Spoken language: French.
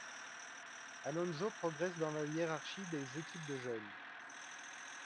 Alonso progresse dans la hiérarchie des équipes de jeunes.